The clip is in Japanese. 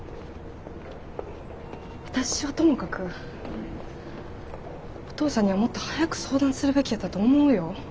私はともかくお父さんにはもっと早く相談するべきやったと思うよ。